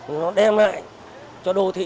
nó đem lại cho đô thị